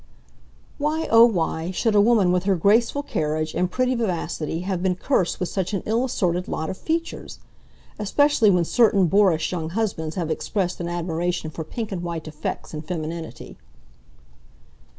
Why, oh, why should a woman with her graceful carriage and pretty vivacity have been cursed with such an ill assorted lot of features! Especially when certain boorish young husbands have expressed an admiration for pink and white effects in femininity.